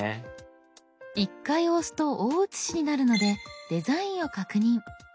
１回押すと大写しになるのでデザインを確認。